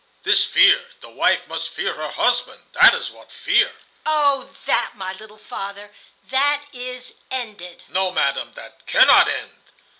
"This fear,—the wife must fear her husband; that is what fear." "Oh, that, my little father, that is ended." "No, madam, that cannot end.